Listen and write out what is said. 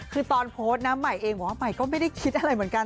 คือตอนโพสต์นะใหม่เองบอกว่าใหม่ก็ไม่ได้คิดอะไรเหมือนกัน